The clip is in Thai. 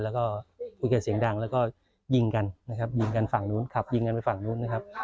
แล้วก็คุยกันเสียงดังแล้วก็ยิงกันนะครับยิงกันฝั่งนู้นขับยิงกันไปฝั่งนู้นนะครับ